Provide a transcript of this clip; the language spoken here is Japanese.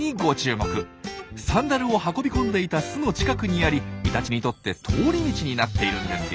サンダルを運び込んでいた巣の近くにありイタチにとって通り道になっているんですよ。